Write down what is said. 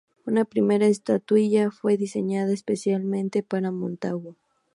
Una primera estatuilla fue diseñada especialmente para Montagu.